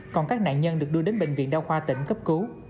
còn các nạn nhân được đưa đến bệnh viện đa khoa tỉnh cấp cứu